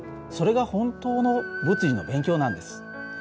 それが本当の物理の勉強なんです。